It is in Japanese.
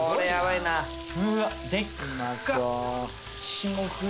霜降りも。